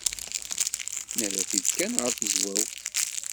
Nerra-t-id kan ɣer tezwawt.